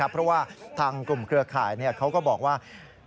เพราะว่าทางกลุ่มเครือข่ายเขาก็บอกว่า